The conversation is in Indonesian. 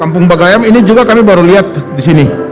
kampung bagaiem ini juga kami baru lihat di sini